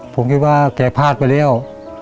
ผมคิดว่าแกพลาดไปแล้ว